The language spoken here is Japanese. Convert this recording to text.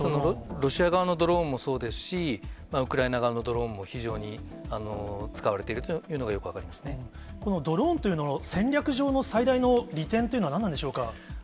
ロシア側のドローンもそうですし、ウクライナ側のドローンも非常に使われているというのが、よく分このドローンというの、戦略上の最大の利点というのは、何なんでしょうか？